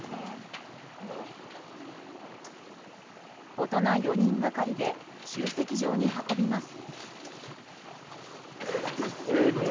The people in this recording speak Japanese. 大人４人がかりで集積場に運びます。